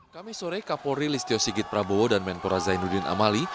kami sore kapolri listio sigit prabowo dan menpora zainuddin amali